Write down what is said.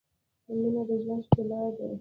مینه د ژوند ښلا ده